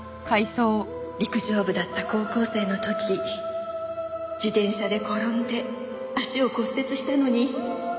陸上部だった高校生の時自転車で転んで足を骨折したのに。